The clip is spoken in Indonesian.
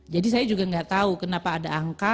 jadi saya juga enggak tahu kenapa ada angka